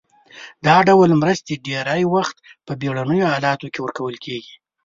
دا ډول مرستې ډیری وخت په بیړنیو حالاتو کې ورکول کیږي.